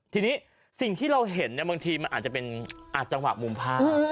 ทีนี้สิ่งที่เราเห็นบางทีมันอาจจะเป็นจังหวะมุมภาพ